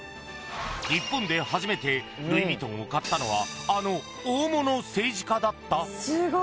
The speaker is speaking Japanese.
日本で初めてルイ・ヴィトンを買ったのはあの大物政治家だった？